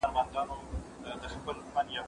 زه اوس بازار ته ځم!؟